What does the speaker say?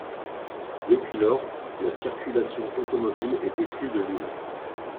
Depuis lors, la circulation automobile est exclue de l'Île.